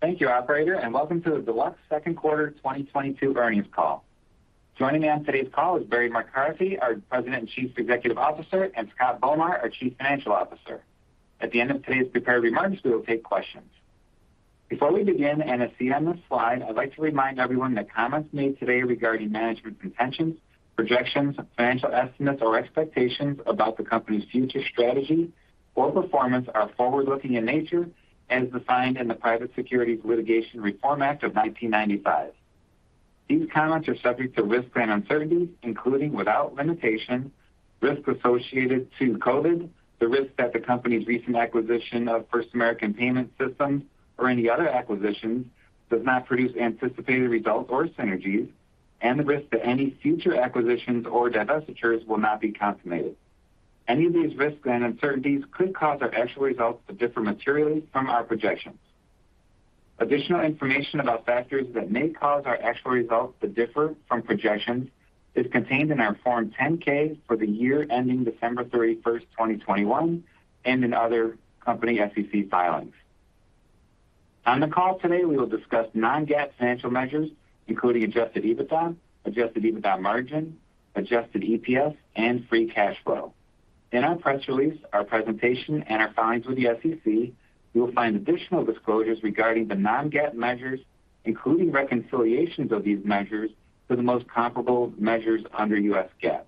Thank you operator, and welcome to the Deluxe second quarter 2022 earnings call. Joining me on today's call is Barry McCarthy, our President and Chief Executive Officer, and Scott Bomar, our Chief Financial Officer. At the end of today's prepared remarks, we will take questions. Before we begin, and as seen on this slide I'd like to remind everyone that comments made today regarding management's intentions, projections, financial estimates, or expectations about the company's future strategy or performance are forward-looking in nature and as defined in the Private Securities Litigation Reform Act of 1995. These comments are subject to risks and uncertainties, including without limitation, risks associated to COVID, the risk that the company's recent acquisition of First American Payment Systems or any other acquisitions does not produce anticipated results or synergies, and the risk that any future acquisitions or divestitures will not be consummated. Any of these risks and uncertainties could cause our actual results to differ materially from our projections. Additional information about factors that may cause our actual results to differ from projections is contained in our Form 10-K for the year ending December 31, 2021 and in other company SEC filings. On the call today, we will discuss non-GAAP financial measures, including adjusted EBITDA, adjusted EBITDA margin, adjusted EPS, and Free Cash Flow. In our press release, our presentation, and our filings with the SEC, you will find additional disclosures regarding the non-GAAP measures, including reconciliations of these measures to the most comparable measures under U.S. GAAP.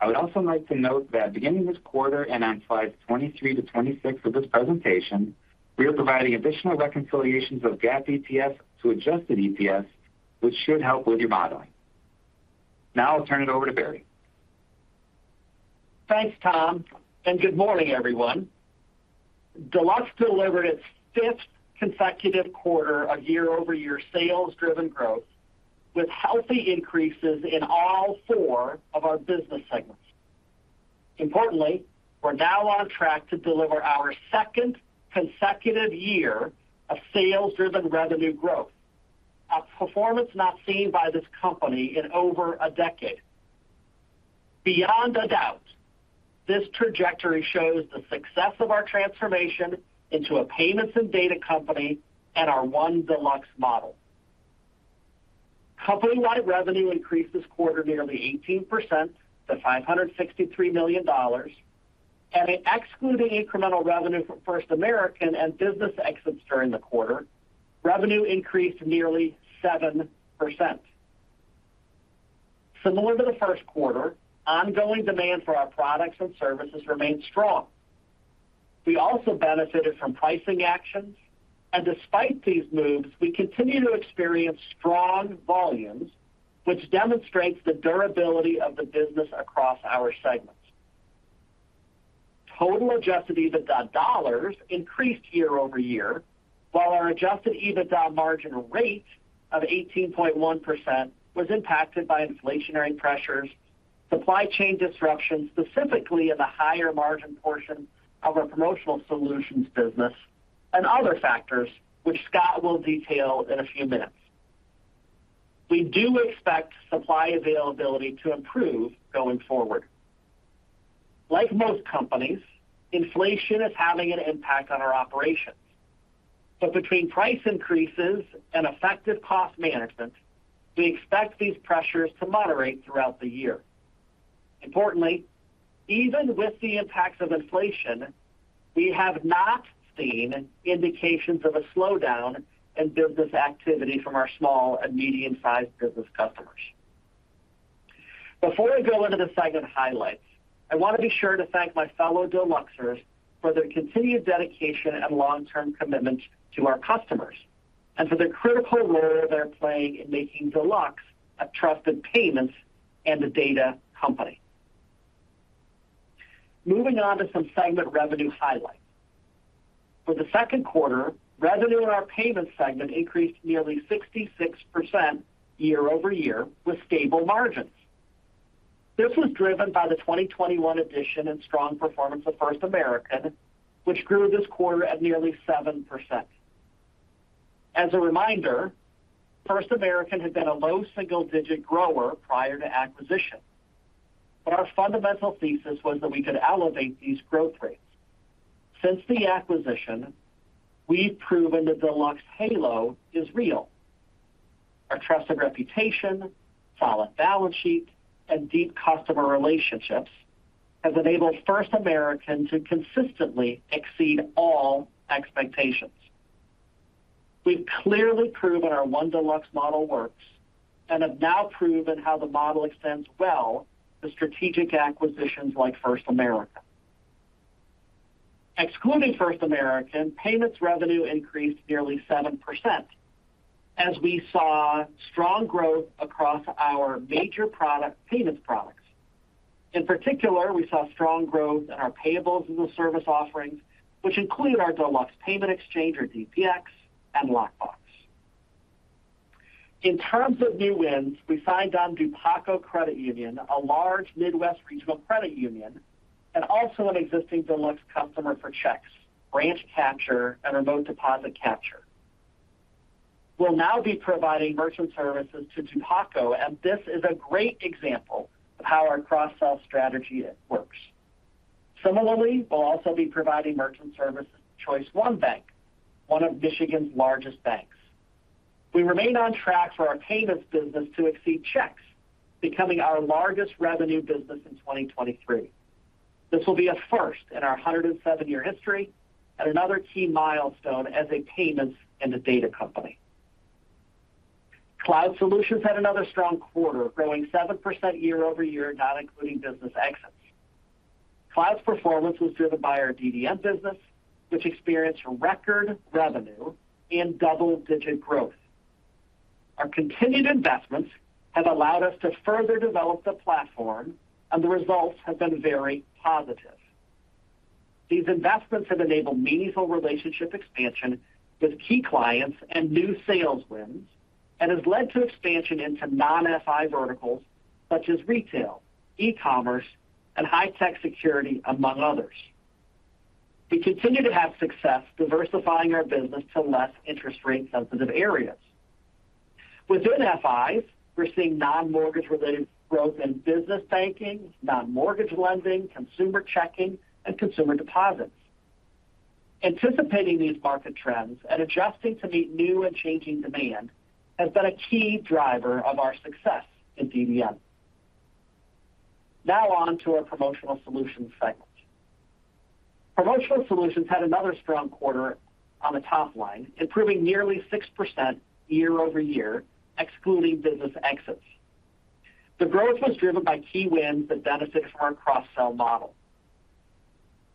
I would also like to note that beginning this quarter and on slides 23-26 of this presentation, we are providing additional reconciliations of GAAP EPS to adjusted EPS, which should help with your modeling. Now I'll turn it over to Barry. Thanks, Tom, and good morning, everyone. Deluxe delivered its fifth consecutive quarter of year-over-year sales-driven growth with healthy increases in all four of our business segments. Importantly, we're now on track to deliver our second consecutive year of sales-driven revenue growth, a performance not seen by this company in over a decade. Beyond a doubt, this trajectory shows the success of our transformation into a payments and data company and our One Deluxe model. Company-wide revenue increased this quarter nearly 18% to $563 million. Excluding incremental revenue from First American and business exits during the quarter, revenue increased nearly 7%. Similar to the first quarter, ongoing demand for our products and services remained strong. We also benefited from pricing actions, and despite these moves, we continue to experience strong volumes, which demonstrates the durability of the business across our segments. Total adjusted EBITDA dollars increased year-over-year, while our adjusted EBITDA margin rate of 18.1% was impacted by inflationary pressures, supply chain disruptions, specifically in the higher margin portion of our Promotional Solutions business, and other factors which Scott will detail in a few minutes. We do expect supply availability to improve going forward. Like most companies, inflation is having an impact on our operations. Between price increases and effective cost management, we expect these pressures to moderate throughout the year. Importantly, even with the impacts of inflation, we have not seen indications of a slowdown in business activity from our small and medium-sized business customers. Before I go into the segment highlights, I want to be sure to thank my fellow Deluxers for their continued dedication and long-term commitment to our customers and for the critical role they're playing in making Deluxe a trusted payments and a data company. Moving on to some segment revenue highlights. For the second quarter, revenue in our payments segment increased nearly 66% year-over-year with stable margins. This was driven by the 2021 addition and strong performance of First American, which grew this quarter at nearly 7%. As a reminder, First American had been a low single-digit grower prior to acquisition. Our fundamental thesis was that we could elevate these growth rates. Since the acquisition, we've proven the Deluxe halo is real. Our trusted reputation, solid balance sheet, and deep customer relationships has enabled First American to consistently exceed all expectations. We've clearly proven our One Deluxe model works and have now proven how the model extends well to strategic acquisitions like First American. Excluding First American, payments revenue increased nearly 7% as we saw strong growth across our major products, payments products. In particular, we saw strong growth in our payables as a service offerings, which include our Deluxe Payment Exchange or DPX and Lockbox. In terms of new wins, we signed on Dupaco Credit Union, a large Midwest regional credit union, and also an existing Deluxe customer for checks, Branch Capture, and Remote Deposit Capture. We'll now be providing merchant services to Dupaco, and this is a great example of how our cross-sell strategy works. Similarly, we'll also be providing merchant services to ChoiceOne Bank, one of Michigan's largest banks. We remain on track for our payments business to exceed checks, becoming our largest revenue business in 2023. This will be a first in our 107-year history and another key milestone as a payments and a data company. Cloud Solutions had another strong quarter, growing 7% year-over-year, not including business exits. Cloud's performance was driven by our DDM business, which experienced record revenue and double-digit growth. Our continued investments have allowed us to further develop the platform, and the results have been very positive. These investments have enabled meaningful relationship expansion with key clients and new sales wins and has led to expansion into non-FI verticals such as retail, e-commerce, and high-tech security, among others. We continue to have success diversifying our business to less interest rate-sensitive areas. Within FIs, we're seeing non-mortgage-related growth in business banking, non-mortgage lending, consumer checking, and consumer deposits. Anticipating these market trends and adjusting to meet new and changing demand has been a key driver of our success in DDM. Now on to our Promotional Solutions segment. Promotional Solutions had another strong quarter on the top line, improving nearly 6% year-over-year, excluding business exits. The growth was driven by key wins that benefit from our cross-sell model.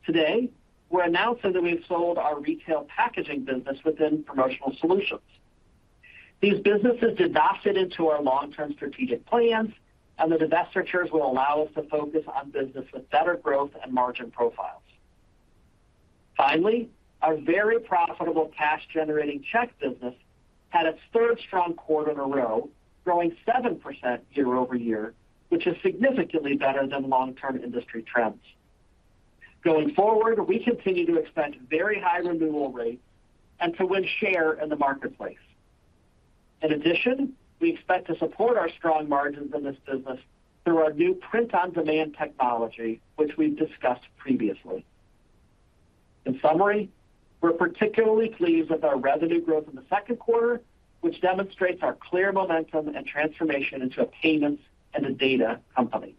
Today, we're announcing that we've sold our retail packaging business within Promotional Solutions. These businesses did not fit into our long-term strategic plans, and the divestitures will allow us to focus on business with better growth and margin profiles. Finally, our very profitable cash-generating check business had its third strong quarter in a row, growing 7% year-over-year, which is significantly better than long-term industry trends. Going forward, we continue to expect very high renewal rates and to win share in the marketplace. In addition, we expect to support our strong margins in this business through our new print on demand technology, which we've discussed previously. In summary we're particularly pleased with our revenue growth in the second quarter, which demonstrates our clear momentum and transformation into a payments and a data company.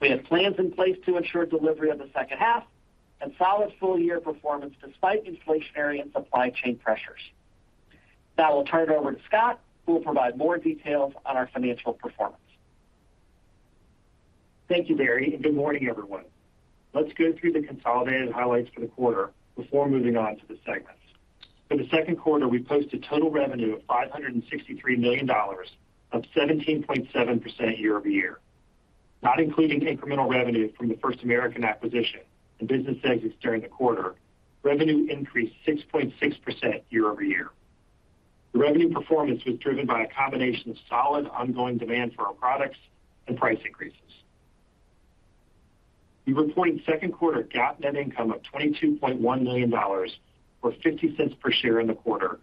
We have plans in place to ensure delivery of the second half and solid full-year performance despite inflationary and supply chain pressures. Now I'll turn it over to Scott, who will provide more details on our financial performance. Thank you, Barry, and good morning, everyone. Let's go through the consolidated highlights for the quarter before moving on to the segments. For the second quarter, we posted total revenue of $563 million up 17.7% year-over-year. Not including incremental revenue from the First American acquisition and business exits during the quarter, revenue increased 6.6% year-over-year. The revenue performance was driven by a combination of solid ongoing demand for our products and price increases. We reported second-quarter GAAP net income of $22.1 million, or $0.50 per share in the quarter,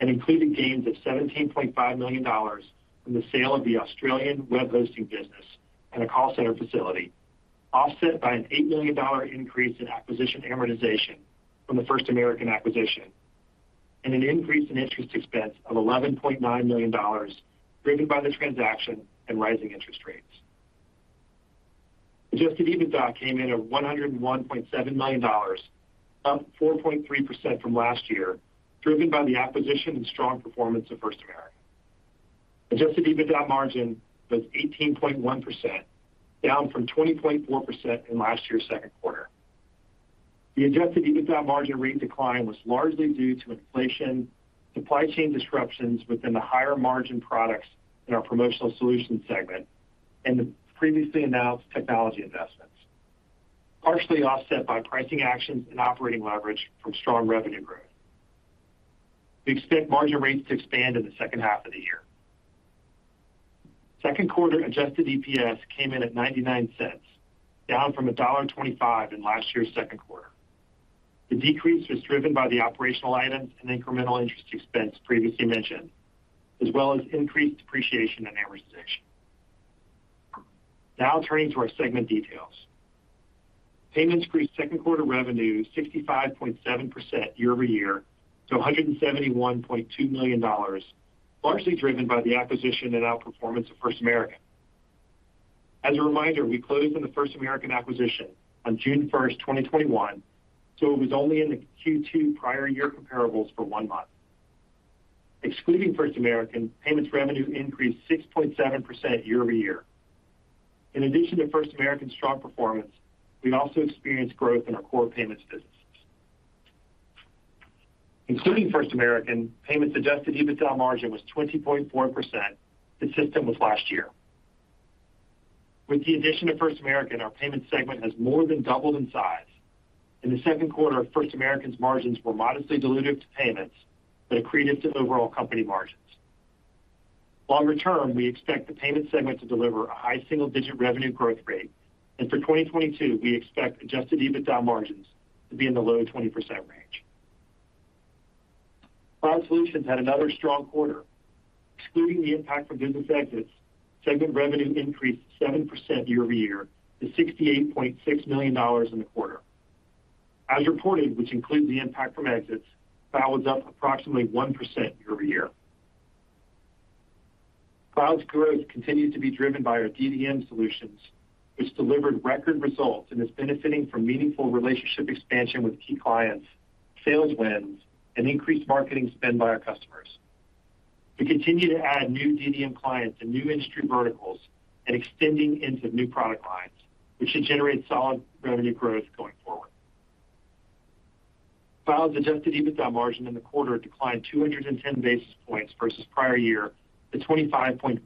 and including gains of $17.5 million from the sale of the Australian web hosting business and a call center facility, offset by an $8 million increase in acquisition amortization from the First American acquisition and an increase in interest expense of $11.9 million driven by this transaction and rising interest rates. Adjusted EBITDA came in at $101.7 million, up 4.3% from last year, driven by the acquisition and strong performance of First American. Adjusted EBITDA margin was 18.1%, down from 20.4% in last year's second quarter. The adjusted EBITDA margin rate decline was largely due to inflation, supply chain disruptions within the higher-margin products in our Promotional Solutions segment, and the previously announced technology investments, partially offset by pricing actions and operating leverage from strong revenue growth. We expect margin rates to expand in the second half of the year. Second-quarter adjusted EPS came in at $0.99, down from $1.25 in last year's second quarter. The decrease was driven by the operational items and incremental interest expense previously mentioned, as well as increased depreciation and amortization. Now turning to our segment details. Payments increased second-quarter revenue 65.7% year-over-year to $171.2 million, largely driven by the acquisition and outperformance of First American. As a reminder, we closed on the First American acquisition on June 1, 2021, so it was only in the Q2 prior year comparables for one month. Excluding First American, payments revenue increased 6.7% year-over-year. In addition to First American's strong performance, we also experienced growth in our core payments businesses. Including First American, payments adjusted EBITDA margin was 20.4%, consistent with last year. With the addition of First American, our payments segment has more than doubled in size. In the second quarter, First American's margins were modestly dilutive to payments but accretive to overall company margins. Long term, we expect the payments segment to deliver a high single-digit revenue growth rate. For 2022, we expect adjusted EBITDA margin to be in the low 20% range. Cloud Solutions had another strong quarter. Excluding the impact from business exits, segment revenue increased 7% year-over-year to $68.6 million in the quarter. As reported, which includes the impact from exits, Cloud was up approximately 1% year-over-year. Cloud's growth continued to be driven by our DDM solutions, which delivered record results and is benefiting from meaningful relationship expansion with key clients, sales wins, and increased marketing spend by our customers. We continue to add new DDM clients and new industry verticals and extending into new product lines, which should generate solid revenue growth going forward. Cloud's adjusted EBITDA margin in the quarter declined 210 basis points versus prior year to 25.5%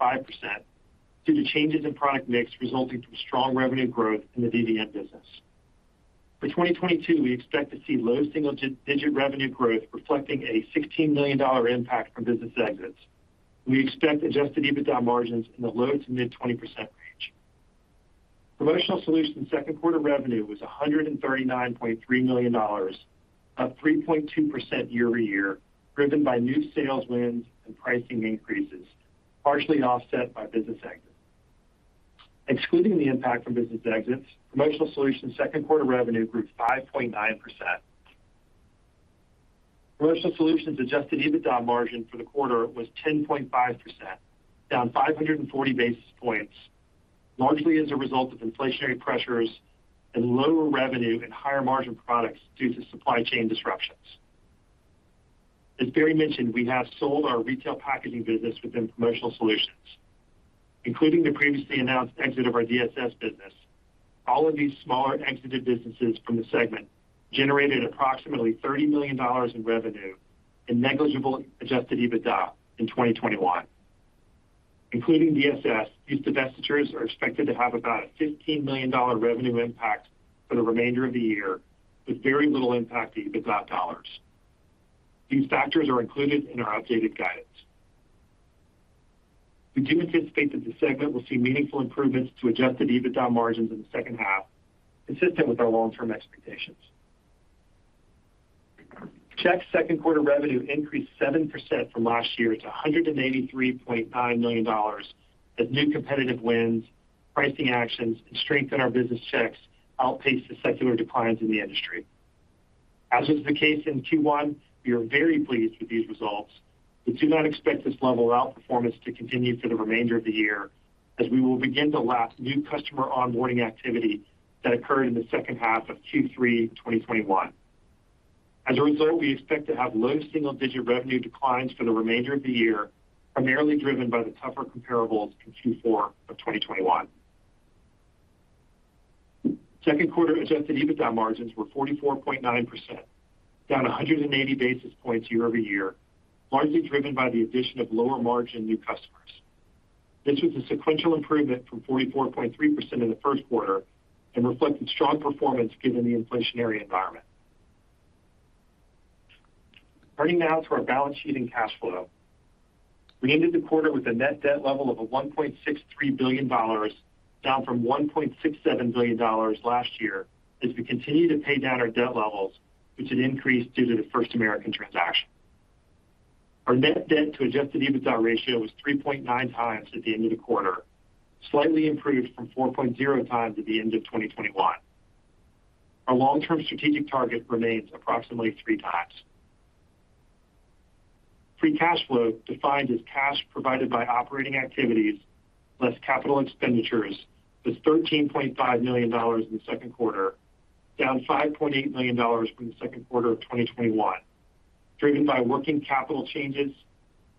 due to changes in product mix resulting from strong revenue growth in the DDM business. For 2022, we expect to see low single-digit% revenue growth reflecting a $16 million impact from business exits. We expect adjusted EBITDA margins in the low- to mid-20% range. Promotional Solutions second quarter revenue was $139.3 million, up 3.2% year-over-year, driven by new sales wins and pricing increases, partially offset by business exits. Excluding the impact from business exits, Promotional Solutions second quarter revenue grew 5.9%. Promotional Solutions adjusted EBITDA margin for the quarter was 10.5%, down 540 basis points, largely as a result of inflationary pressures and lower revenue and higher margin products due to supply chain disruptions. As Barry mentioned, we have sold our retail packaging business within Promotional Solutions. Including the previously announced exit of our DSS business, all of these smaller exited businesses from the segment generated approximately $30 million in revenue and negligible adjusted EBITDA in 2021. Including DSS, these divestitures are expected to have about a $15 million revenue impact for the remainder of the year, with very little impact to EBITDA dollars. These factors are included in our updated guidance. We do anticipate that the segment will see meaningful improvements to adjusted EBITDA margins in the second half, consistent with our long-term expectations. Checks second quarter revenue increased 7% from last year to $183.9 million as new competitive wins, pricing actions, and strength in our business checks outpaced the secular declines in the industry. As was the case in Q1, we are very pleased with these results. We do not expect this level of outperformance to continue for the remainder of the year as we will begin to lap new customer onboarding activity that occurred in the second half of Q3 2021. As a result, we expect to have low single-digit revenue declines for the remainder of the year, primarily driven by the tougher comparables in Q4 2021. Second quarter adjusted EBITDA margins were 44.9%, down 180 basis points year-over-year, largely driven by the addition of lower margin new customers. This was a sequential improvement from 44.3% in the first quarter and reflected strong performance given the inflationary environment. Turning now to our balance sheet and cash flow. We ended the quarter with a net debt level of $1.63 billion, down from $1.67 billion last year as we continue to pay down our debt levels, which had increased due to the First American transaction. Our net debt to adjusted EBITDA ratio was 3.9x at the end of the quarter, slightly improved from 4.0x at the end of 2021. Our long-term strategic target remains approximately 3x. Free cash flow, defined as cash provided by operating activities less capital expenditures, was $13.5 million in the second quarter, down $5.8 million from the second quarter of 2021, driven by working capital changes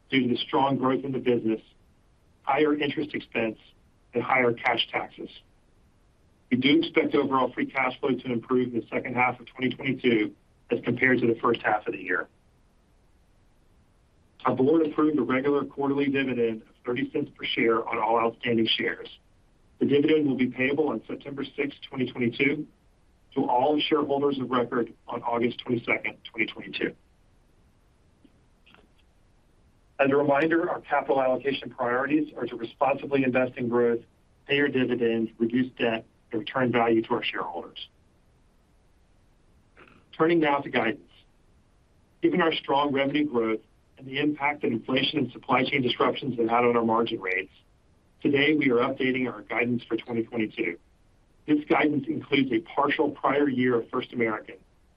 due to the strong growth in the business, higher interest expense, and higher cash taxes. We do expect overall free cash flow to improve in the second half of 2022 as compared to the first half of the year. Our board approved a regular quarterly dividend of $0.30 per share on all outstanding shares. The dividend will be payable on September 6, 2022 to all shareholders of record on August 22, 2022. As a reminder, our capital allocation priorities are to responsibly invest in growth, pay our dividends, reduce debt, and return value to our shareholders. Turning now to guidance. Given our strong revenue growth and the impact that inflation and supply chain disruptions have had on our margin rates, today we are updating our guidance for 2022. This guidance includes a partial prior year of First American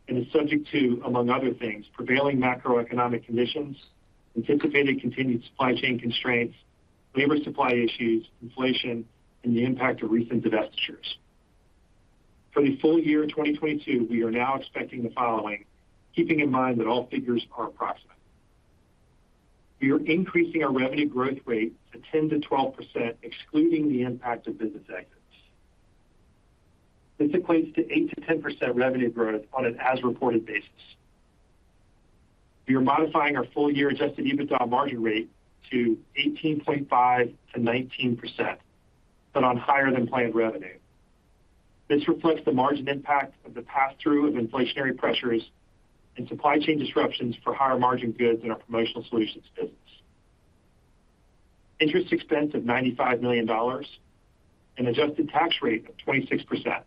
and is subject to, among other things, prevailing macroeconomic conditions, anticipated continued supply chain constraints, labor supply issues, inflation, and the impact of recent divestitures. For the full year 2022, we are now expecting the following, keeping in mind that all figures are approximate. We are increasing our revenue growth rate to 10%-12%, excluding the impact of business exits. This equates to 8%-10% revenue growth on an as-reported basis. We are modifying our full year adjusted EBITDA margin rate to 18.5%-19%, but on higher than planned revenue. This reflects the margin impact of the pass-through of inflationary pressures and supply chain disruptions for higher margin goods in our Promotional Solutions business. Interest expense of $95 million. An adjusted tax rate of 26%.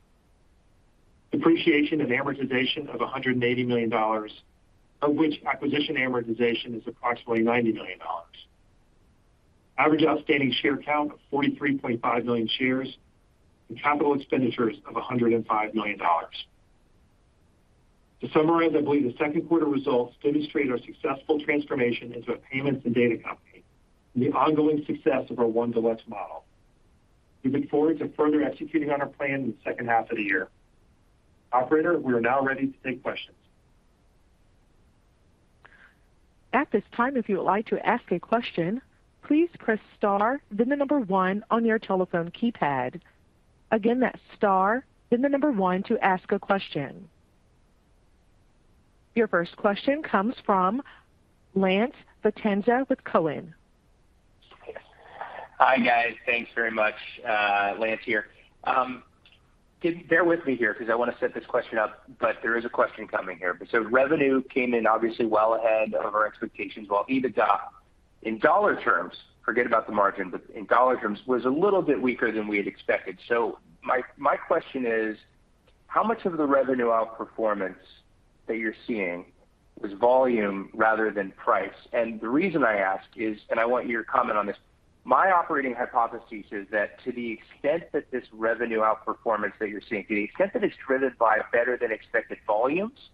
Depreciation and amortization of $180 million, of which acquisition amortization is approximately $90 million. Average outstanding share count of 43.5 million shares and capital expenditures of $105 million. To summarize, I believe the second quarter results demonstrate our successful transformation into a payments and data company and the ongoing success of our One Deluxe model. We look forward to further executing on our plan in the second half of the year. Operator, we are now ready to take questions. At this time, if you would like to ask a question, please press star then the number one on your telephone keypad. Again, that's star then the number one to ask a question. Your first question comes from Lance Vitanza with TD Cowen. Hi, guys. Thanks very much. Lance here. Bear with me here because I want to set this question up, but there is a question coming here. Revenue came in obviously well ahead of our expectations while EBITDA in dollar terms, forget about the margin, but in dollar terms was a little bit weaker than we had expected. My question is how much of the revenue outperformance that you're seeing was volume rather than price? The reason I ask is, and I want your comment on this, my operating hypothesis is that to the extent that this revenue outperformance that you're seeing, to the extent that it's driven by better than expected volumes,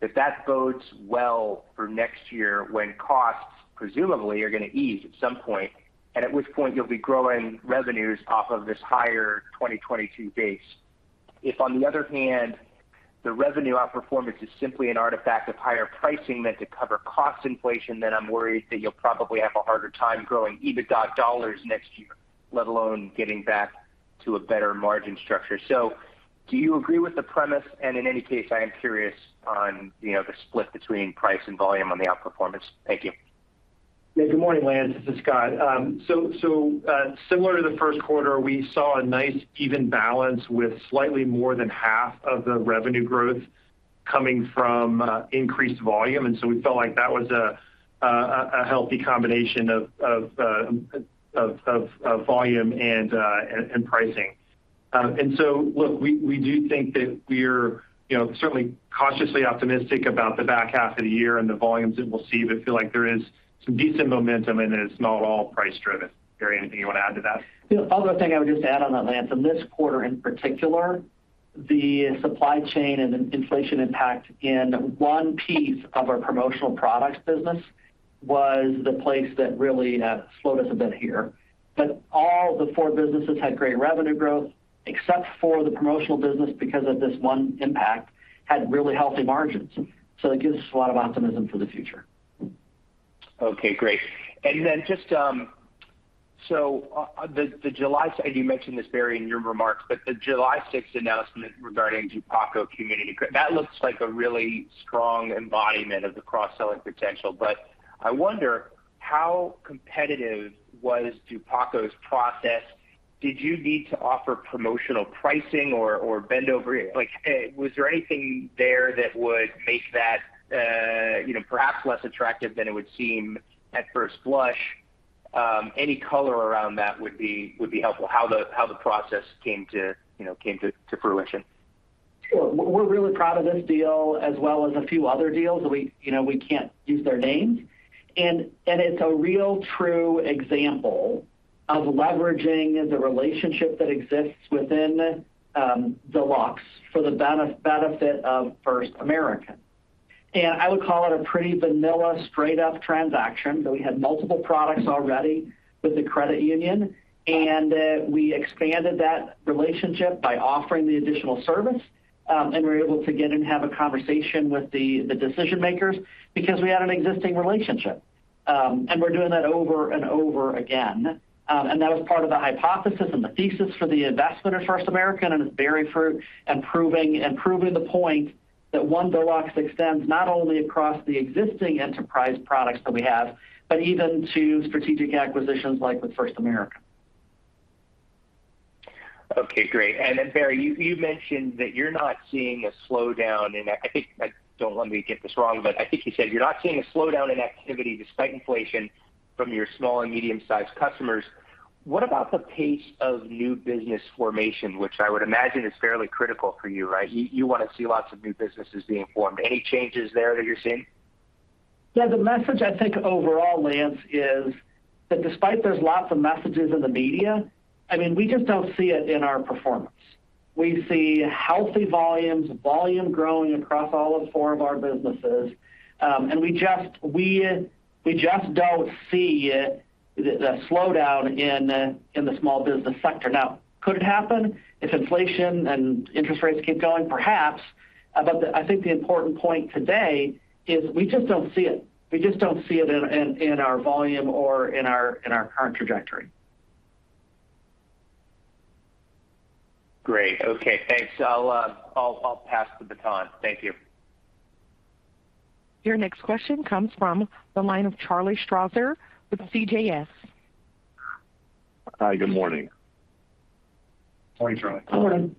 that bodes well for next year when costs presumably are going to ease at some point, and at which point you'll be growing revenues off of this higher 2022 base. If, on the other hand, the revenue outperformance is simply an artifact of higher pricing to cover cost inflation, then I'm worried that you'll probably have a harder time growing EBITDA dollars next year, let alone getting back to a better margin structure. Do you agree with the premise? In any case, I am curious on, you know, the split between price and volume on the outperformance. Thank you. Yeah. Good morning, Lance. This is Scott. Similar to the first quarter, we saw a nice even balance with slightly more than half of the revenue growth coming from increased volume. We felt like that was a healthy combination of volume and pricing. Look, we do think that we're, you know, certainly cautiously optimistic about the back half of the year and the volumes that we'll see, but feel like there is some decent momentum and it's not all price driven. Barry, anything you want to add to that? The other thing I would just add on that Lance, in this quarter in particular, the supply chain and inflation impact in one piece of our promotional products business was the place that really slowed us a bit here. All the four businesses had great revenue growth, except for the promotional business because of this one impact, had really healthy margins. It gives us a lot of optimism for the future. Okay great. Just, so, and you mentioned this, Barry, in your remarks, but the July 6th announcement regarding Dupaco Community Credit Union, that looks like a really strong embodiment of the cross-selling potential. I wonder how competitive was Dupaco's process. Did you need to offer promotional pricing or bend over backwards? Like, was there anything there that would make that, you know, perhaps less attractive than it would seem at first blush? Any color around that would be helpful. How the process came to, you know, came to fruition. Sure. We're really proud of this deal as well as a few other deals that we, you know, we can't use their names. It's a real true example of leveraging the relationship that exists within Deluxe for the benefit of First American. I would call it a pretty vanilla straight up transaction, but we had multiple products already with the credit union, and we expanded that relationship by offering the additional service, and we're able to get in and have a conversation with the decision makers because we had an existing relationship. We're doing that over and over again. That was part of the hypothesis and the thesis for the investment of First American and is bearing fruit and proving the point that One Deluxe extends not only across the existing enterprise products that we have, but even to strategic acquisitions like with First American. Okay, great. Barry, you mentioned that you're not seeing a slowdown, and I think, don't let me get this wrong, but I think you said you're not seeing a slowdown in activity despite inflation from your small and medium-sized customers. What about the pace of new business formation, which I would imagine is fairly critical for you, right? You want to see lots of new businesses being formed. Any changes there that you're seeing? Yeah. The message I think overall, Lance, is that despite there's lots of messages in the media, I mean, we just don't see it in our performance. We see healthy volumes, volume growing across all of four of our businesses. We just don't see it, the slowdown in the small business sector. Now, could it happen if inflation and interest rates keep going? Perhaps. The important point today is we just don't see it. We just don't see it in our volume or in our current trajectory. Great. Okay, thanks. I'll pass the baton. Thank you. Your next question comes from the line of Charles Strauzer with CJS. Hi, good morning. Morning, Charles. Good morning.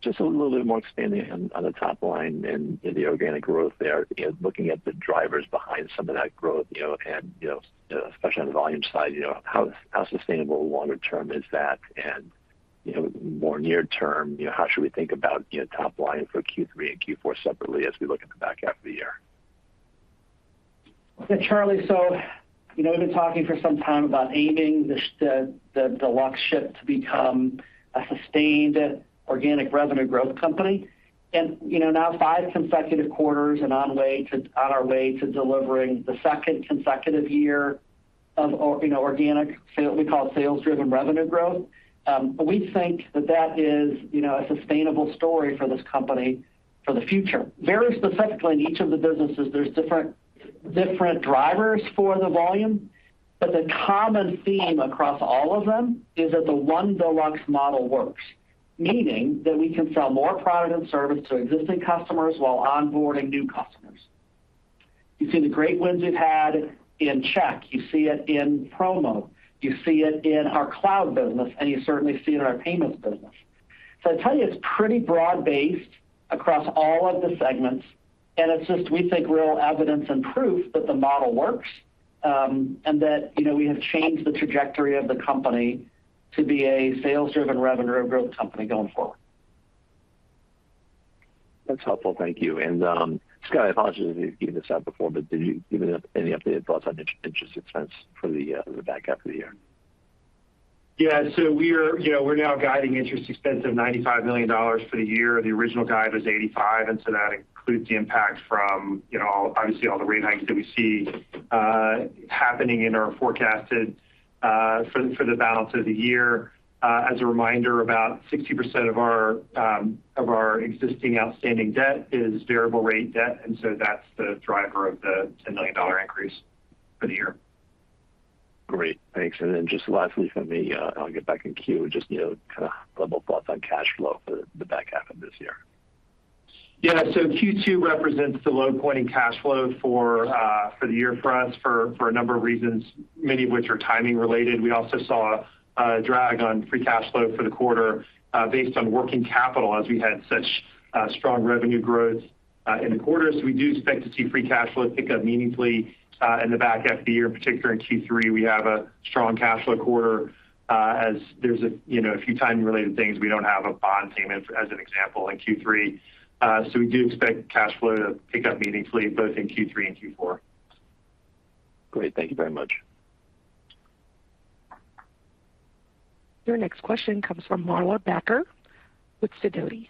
Just a little bit more expanding on the top line and the organic growth there. You know, looking at the drivers behind some of that growth, you know, and, you know, especially on the volume side, you know, how sustainable longer term is that? You know, more near term, you know, how should we think about, you know, top line for Q3 and Q4 separately as we look at the back half of the year? Yeah, Charles. You know, we've been talking for some time about aiming the Deluxe ship to become a sustained organic revenue growth company. You know, now five consecutive quarters and on our way to delivering the second consecutive year of organic sales driven revenue growth. We think that is a sustainable story for this company for the future. Very specifically in each of the businesses there's different drivers for the volume. The common theme across all of them is that the One Deluxe model works. Meaning that we can sell more product and service to existing customers while onboarding new customers. You see the great wins we've had in check, you see it in promo, you see it in our cloud business, and you certainly see it in our payments business. I tell you, it's pretty broad-based across all of the segments, and it's just, we think, real evidence and proof that the model works. That, you know, we have changed the trajectory of the company to be a sales-driven revenue growth company going forward. That's helpful. Thank you. Scott, I apologize if you've given this out before, but do you have any updated thoughts on interest expense for the back half of the year? Yeah. We're now guiding interest expense of $95 million for the year. The original guide was $85, that includes the impact from obviously all the rate hikes that we see happening in our forecasted for the balance of the year. As a reminder, about 60% of our existing outstanding debt is variable rate debt, that's the driver of the $10 million increase for the year. Great. Thanks. Just lastly from me, I'll get back in queue. Just, you know, kind of level thoughts on cash flow for the back half of this year. Yeah. Q2 represents the low point in cash flow for the year for us for a number of reasons, many of which are timing related. We also saw a drag on Free Cash Flow for the quarter based on working capital as we had such strong revenue growth in the quarter. We do expect to see Free Cash Flow pick up meaningfully in the back half of the year. In particular, in Q3 we have a strong cash flow quarter as there's a you know a few timing related things. We don't have a bond payment as an example in Q3. We do expect cash flow to pick up meaningfully both in Q3 and Q4. Great. Thank you very much. Your next question comes from Marla Backer with Sidoti.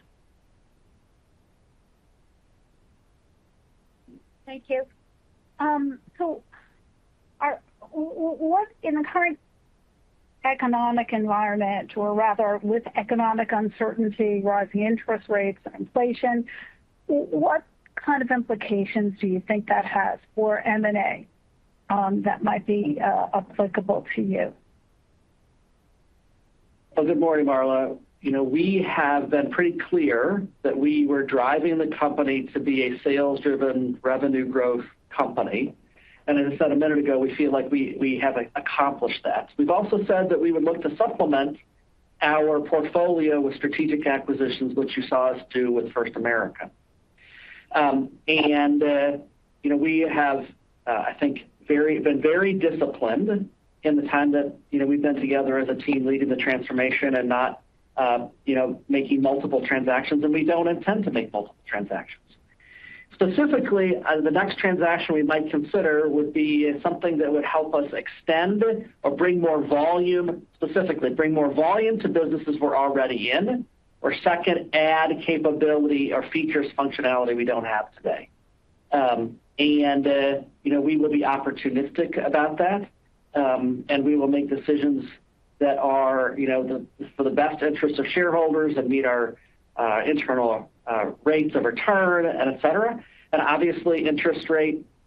Thank you. What in the current economic environment, or rather with economic uncertainty, rising interest rates and inflation, what kind of implications do you think that has for M&A, that might be applicable to you? Well, good morning, Marla. You know, we have been pretty clear that we were driving the company to be a sales-driven revenue growth company. As I said a minute ago, we feel like we have accomplished that. We've also said that we would look to supplement our portfolio with strategic acquisitions, which you saw us do with First American. You know, we have I think been very disciplined in the time that, you know, we've been together as a team leading the transformation and not, you know, making multiple transactions, and we don't intend to make multiple transactions. Specifically, the next transaction we might consider would be something that would help us extend or bring more volume, specifically bring more volume to businesses we're already in or second, add capability or features functionality we don't have today. You know we will be opportunistic about that, and we will make decisions that are, you know, for the best interest of shareholders and meet our internal rates of return and et cetera. Obviously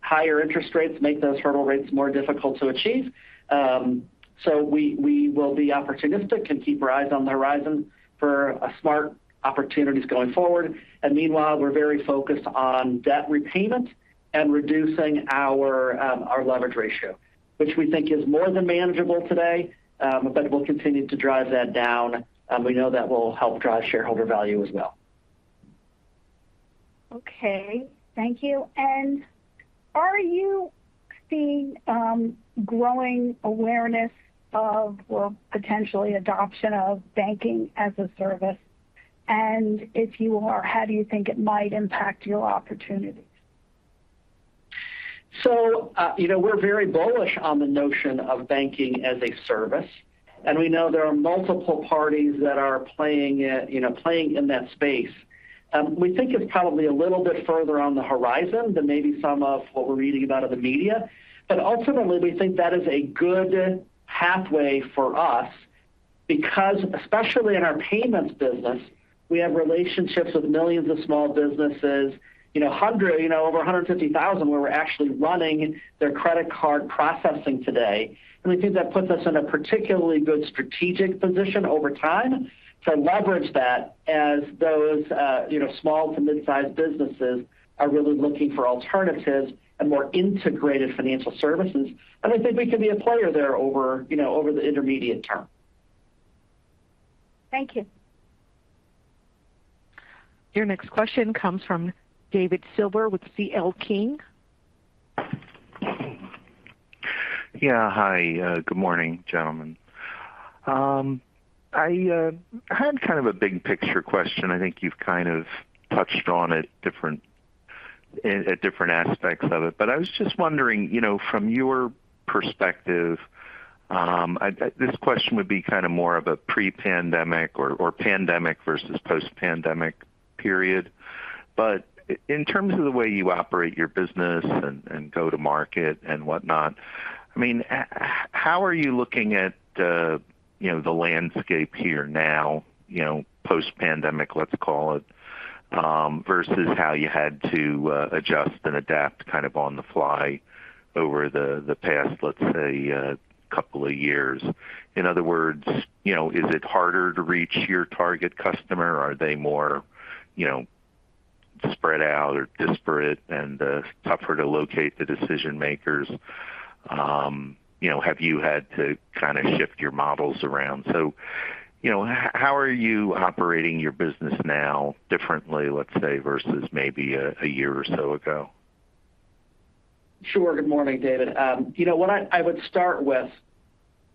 higher interest rates make those hurdle rates more difficult to achieve. We will be opportunistic and keep our eyes on the horizon for smart opportunities going forward. Meanwhile, we're very focused on debt repayment and reducing our leverage ratio, which we think is more than manageable today. We'll continue to drive that down, and we know that will help drive shareholder value as well. Okay. Thank you. Are you seeing growing awareness of, or potentially adoption of banking as a service? If you are, how do you think it might impact your opportunities? You know, we're very bullish on the notion of Banking as a Service, and we know there are multiple parties that are playing it, you know, playing in that space. We think it's probably a little bit further on the horizon than maybe some of what we're reading about in the media. Ultimately, we think that is a good pathway for us. Because especially in our payments business, we have relationships with millions of small businesses, you know, over 150,000, where we're actually running their credit card processing today. We think that puts us in a particularly good strategic position over time to leverage that as those, you know, small to mid-sized businesses are really looking for alternatives and more integrated financial services. I think we can be a player there over, you know, over the intermediate term. Thank you. Your next question comes from David Silver with C.L. King. Yeah. Hi. Good morning, gentlemen. I had kind of a big picture question. I think you've kind of touched on it at different aspects of it. But I was just wondering, you know, from your perspective, this question would be kind of more of a pre-pandemic or pandemic versus post-pandemic period. In terms of the way you operate your business and go to market and whatnot, I mean how are you looking at, you know the landscape here now, you know, post-pandemic let's call it versus how you had to adjust and adapt kind of on the fly over the past let's say a couple of years. In other words, you know, is it harder to reach your target customer? Are they more you know spread out or disparate and tougher to locate the decision makers? You know, have you had to kind of shift your models around? You know, how are you operating your business now differently, let's say versus maybe a year or so ago? Good morning, David. You know what I would start with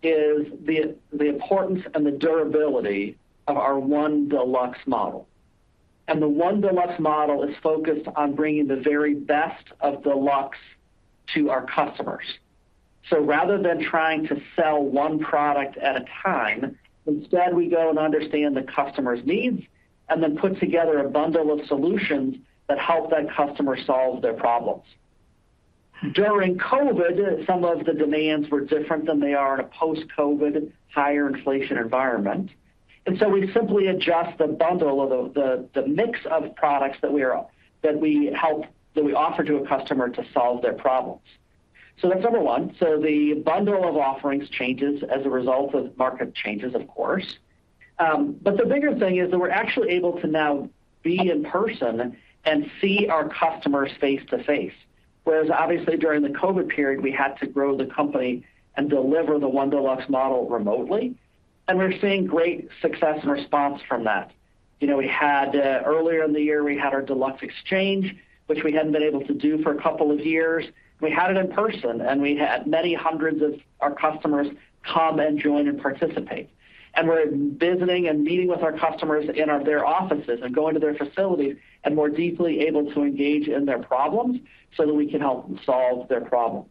is the importance and the durability of our One Deluxe model. The One Deluxe model is focused on bringing the very best of Deluxe to our customers. Rather than trying to sell one product at a time, instead, we go and understand the customer's needs and then put together a bundle of solutions that help that customer solve their problems. During COVID, some of the demands were different than they are in a post-COVID higher inflation environment. We simply adjust the bundle of the mix of products that we offer to a customer to solve their problems. That's number one. The bundle of offerings changes as a result of market changes, of course. The bigger thing is that we're actually able to now be in person and see our customers face to face. Whereas obviously during the COVID period, we had to grow the company and deliver the One Deluxe model remotely. We're seeing great success and response from that. You know, we had earlier in the year, we had our Deluxe Exchange, which we hadn't been able to do for a couple of years. We had it in person, and we had many hundreds of our customers come and join and participate. We're visiting and meeting with our customers in their offices and going to their facilities and more deeply able to engage in their problems so that we can help solve their problems.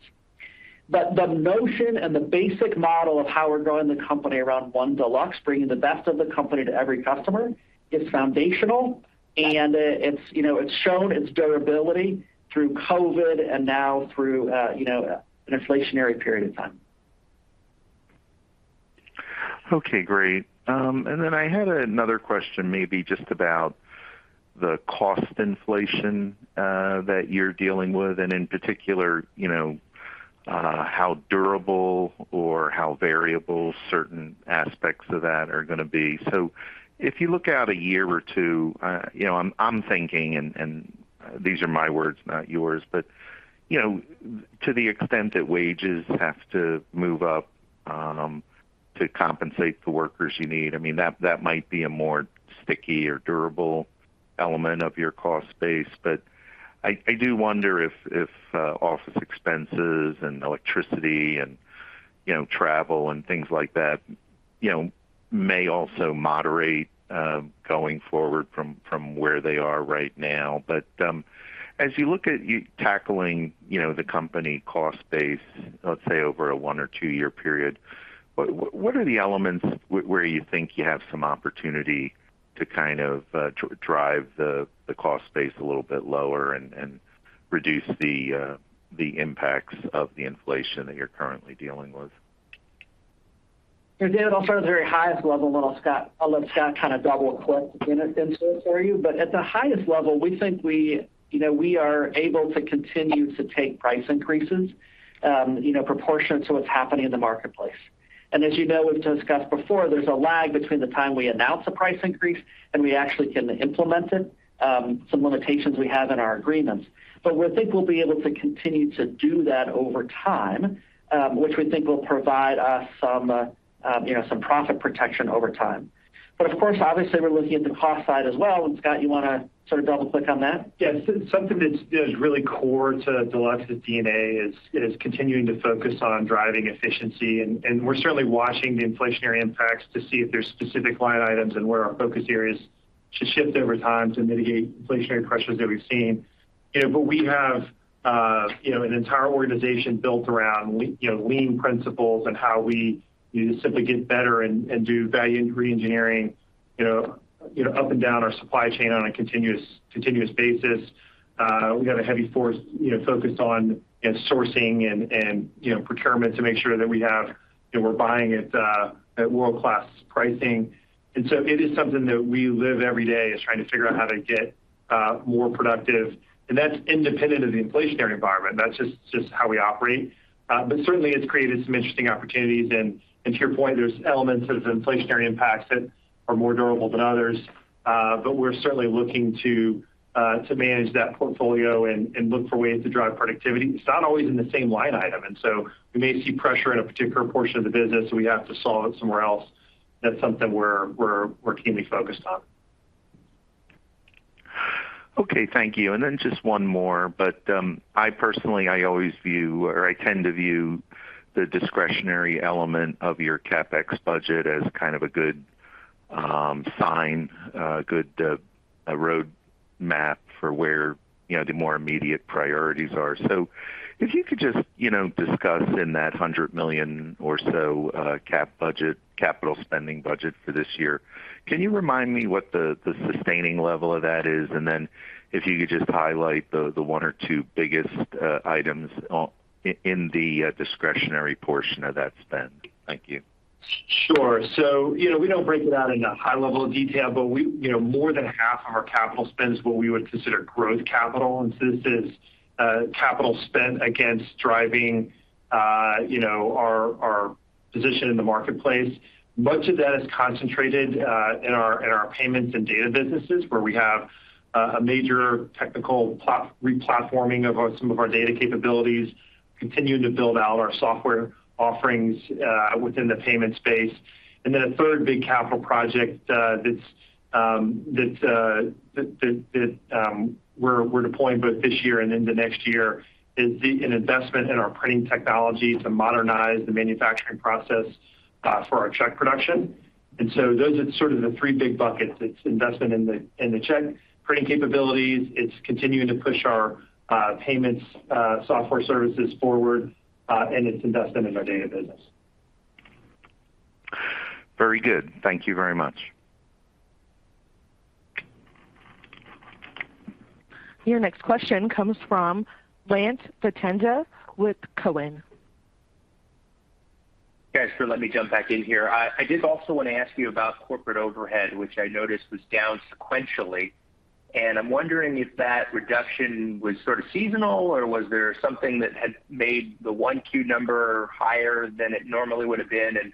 The notion and the basic model of how we're growing the company around One Deluxe, bringing the best of the company to every customer, is foundational. It's, you know, shown its durability through COVID and now through, you know, an inflationary period of time. Okay, great. And then I had another question maybe just about the cost inflation that you're dealing with, and in particular, you know, how durable or how variable certain aspects of that are going to be. If you look out a year or two, you know, I'm thinking, and these are my words not yours but you know, to the extent that wages have to move up to compensate the workers you need, I mean that might be a more sticky or durable element of your cost base. I do wonder if office expenses and electricity and, you know, travel and things like that you know may also moderate going forward from where they are right now. As you look at tackling you know, the company cost base, let's say, over a one or two-year period, what are the elements where you think you have some opportunity to kind of drive the cost base a little bit lower and reduce the impacts of the inflation that you're currently dealing with? David, I'll start at the very highest level, and I'll let Scott kind of double click into it for you. At the highest level we think you know, we are able to continue to take price increases, you know, proportionate to what's happening in the marketplace. As you know, we've discussed before, there's a lag between the time we announce a price increase and we actually can implement it. Some limitations we have in our agreements. We think we'll be able to continue to do that over time, which we think will provide us some, you know some profit protection over time. Of course obviously we're looking at the cost side as well. Scott, you want to sort of double click on that? Yes. Something that's really core to Deluxe's DNA is continuing to focus on driving efficiency. We're certainly watching the inflationary impacts to see if there's specific line items and where our focus areas should shift over time to mitigate inflationary pressures that we've seen. We have an entire organization built around lean principles and how we simply get better and do value reengineering up and down our supply chain on a continuous basis. We got a heavy force focused on sourcing and procurement to make sure that we're buying at world-class pricing. It is something that we live every day is trying to figure out how to get more productive. That's independent of the inflationary environment. That's just how we operate. But certainly it's created some interesting opportunities. To your point, there's elements of the inflationary impacts that are more durable than others. But we're certainly looking to manage that portfolio and look for ways to drive productivity. It's not always in the same line item. We may see pressure in a particular portion of the business, so we have to solve it somewhere else. That's something we're keenly focused on. Okay. Thank you. Just one more. I personally always view or I tend to view the discretionary element of your CapEx budget as kind of a good sign, a good road map for where, you know, the more immediate priorities are. If you could just, you know, discuss in that $100 million or so capital spending budget for this year. Can you remind me what the sustaining level of that is? If you could just highlight the one or two biggest items in the discretionary portion of that spend. Thank you. Sure. You know, we don't break it out into high level of detail, but you know, more than half of our capital spend is what we would consider growth capital. This is capital spend against driving you know our position in the marketplace. Much of that is concentrated in our payments and data businesses where we have a major technical replatforming of some of our data capabilities, continuing to build out our software offerings within the payment space. A third big capital project that we're deploying both this year and into next year is an investment in our printing technology to modernize the manufacturing process for our check production. Those are sort of the three big buckets. Its investment in the check printing capabilities. It's continuing to push our payments software services forward, and its investment in our data business. Very good. Thank you very much. Your next question comes from Lance Vitanza with TD Cowen. Guys, let me jump back in here. I did also want to ask you about corporate overhead, which I noticed was down sequentially. I'm wondering if that reduction was sort of seasonal or was there something that had made the 1Q number higher than it normally would have been?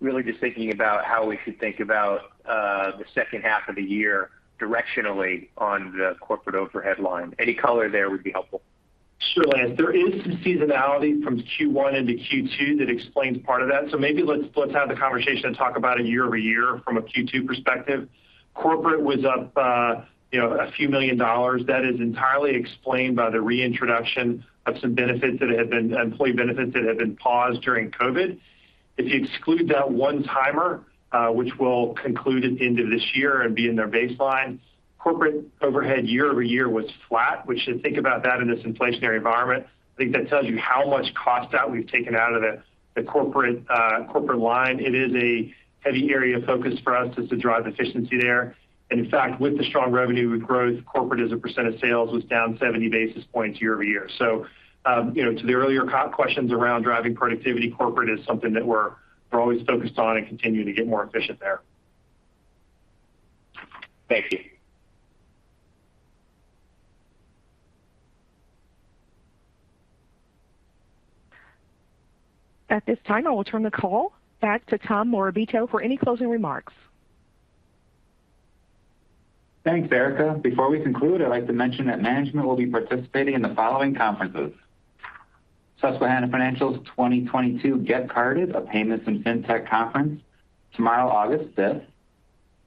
Really just thinking about how we should think about the second half of the year directionally on the corporate overhead line. Any color there would be helpful. Sure, Lance. There is some seasonality from Q1 into Q2 that explains part of that. Maybe let's have the conversation and talk about it year-over-year from a Q2 perspective. Corporate was up, you know, a few million dollars. That is entirely explained by the reintroduction of some employee benefits that had been paused during COVID. If you exclude that one-timer, which will conclude at the end of this year and be in their baseline, corporate overhead year-over-year was flat. We should think about that in this inflationary environment. I think that tells you how much cost we've taken out of the corporate line. It is a heavy area of focus for us to drive efficiency there. In fact, with the strong revenue growth, corporate as a percent of sales was down 70 basis points year-over-year. You know, to the earlier questions around driving productivity, corporate is something that we're always focused on and continue to get more efficient there. Thank you. At this time, I will turn the call back to Tom Morabito for any closing remarks. Thanks, Erica. Before we conclude, I'd like to mention that management will be participating in the following conferences. Susquehanna Financial Group's 2022 Get Carded, a payments and fintech conference tomorrow, August 5th.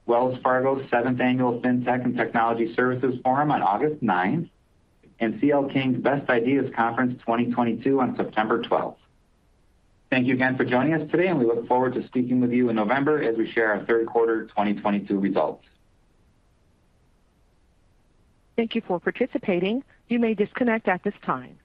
Wells Fargo's 7th Annual Fintech and Technology Services Forum on August 9th C.L. King's Best Ideas Conference 2022 on September 12th. Thank you again for joining us today, and we look forward to speaking with you in November as we share our third quarter 2022 results. Thank you for participating. You may disconnect at this time.